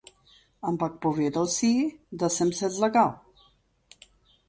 Ampak povedal si ji, da sem se zlagal.